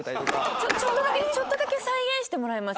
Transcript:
ちょっとだけちょっとだけ再現してもらえます？